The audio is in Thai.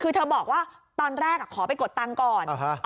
คือเธอบอกว่าตอนแรกขอไปกดตังค์ก่อน